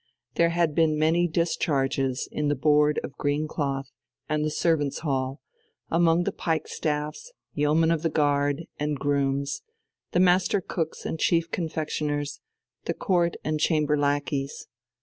There had been many discharges in the Board of Green Cloth and the servants' hall, among the pike staffs, yeomen of the guard, and grooms, the master cooks and chief confectioners, the court and chamber lackeys.